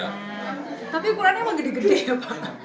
tapi ukurannya emang gede gede ya pak